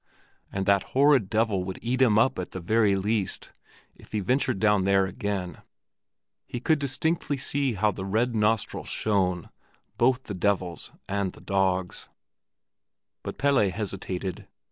And that horrid devil would eat him up at the very least, if he ventured down there again; he could distinctly see how red the nostrils shone, both the devil's and the dogs'. But Pelle still hesitated.